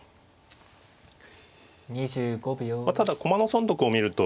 ただ駒の損得を見ると。